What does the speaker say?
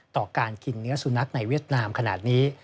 ต่อการกินเนื้อสุนัขในเวียดนามขนาดนี้